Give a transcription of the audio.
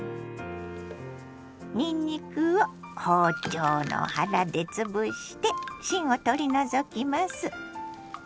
にんにくを包丁の腹で潰して芯を取り除きます。